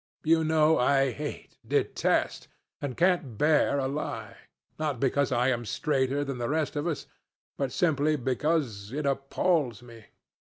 You know I hate, detest, and can't bear a lie, not because I am straighter than the rest of us, but simply because it appalls me.